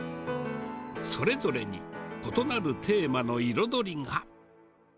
それぞれに異なるテーマの彩りが。